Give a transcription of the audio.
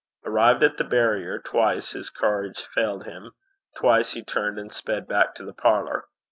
Arrived at the barrier, twice his courage failed him; twice he turned and sped back to the parlour.